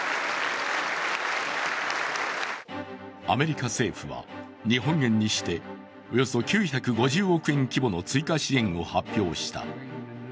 アメリカ政府は日本円にして、およそ９５０億円規模の追加支援を発表した。